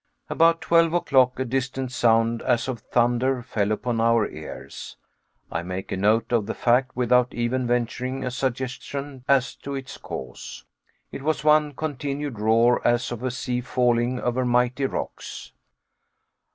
About twelve o'clock a distant sound as of thunder fell upon our ears. I make a note of the fact without even venturing a suggestion as to its cause. It was one continued roar as of a sea falling over mighty rocks.